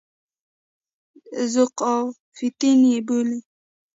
ذوقافیتین یې بولي.